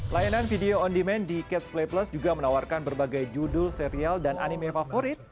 layanan video on demand di catch play plus juga menawarkan berbagai judul serial dan anime favorit